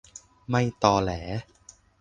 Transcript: ไม่ตอแหล